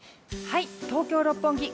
東京・六本木